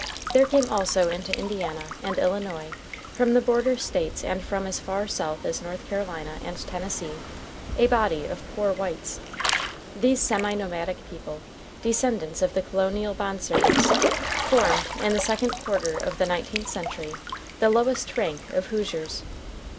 There came also into Indiana and Illinois, from the border States and from as far south as North Carolina and Tennessee, a body of "poor whites." These semi nomadic people, descendants of the colonial bond servants, formed, in the second quarter of the nineteenth century, the lowest rank of Hoosiers.